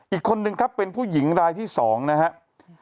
อีกคนนึงครับเป็นผู้หญิงรายที่๒นะครับ